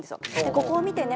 「ここを見てね」